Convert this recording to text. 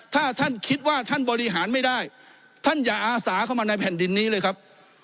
ถ้าท่านคิดว่าท่านบริหารไม่ได้ท่านอย่าอาสาเข้ามาในแผ่นดินนี้เลยครับ